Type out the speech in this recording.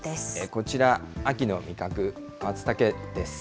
こちら、秋の味覚、マツタケです。